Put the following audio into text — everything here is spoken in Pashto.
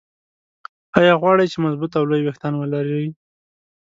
ايا غواړئ چې مضبوط او لوى ويښتان ولرى؟